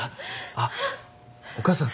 あっお母さん